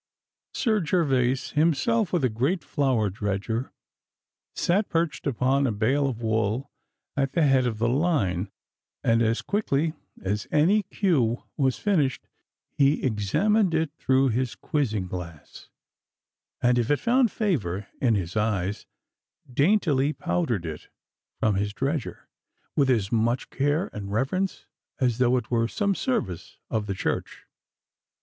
Sir Gervas himself with a great flour dredger sat perched upon a bale of wool at the head of the line, and as quickly as any queue was finished he examined it through his quizzing glass, and if it found favour in his eyes, daintily powdered it from his dredger, with as much care and reverence as though it were some service of the Church.